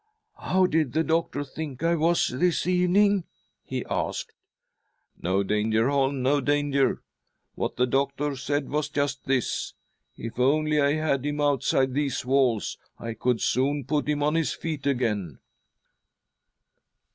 " How did the doctor think I was this evening ?" he asked. " No danger, Holm, no danger. What the doctor said was just this :' If only I had him outside these walls, I could soon put him on his feet again.'